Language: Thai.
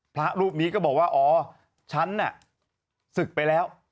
พระรูปนี้ก็บอกว่าอ๋อฉันน่ะศึกไปแล้ว